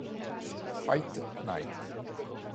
Fight Night